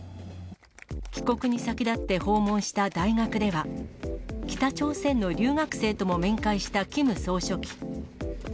帰国に先立って訪問した大学では、北朝鮮の留学生とも面会したキム総書記。